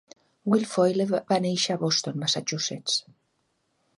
Guilfoyle va néixer a Boston, Massachusetts.